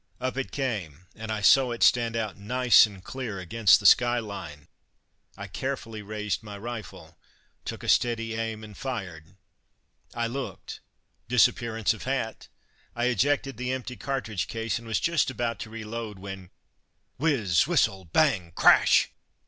Up it came, and I saw it stand out nice and clear against the skyline. I carefully raised my rifle, took a steady aim, and fired. I looked: disappearance of hat! I ejected the empty cartridge case, and was just about to reload when, whizz, whistle, bang, crash!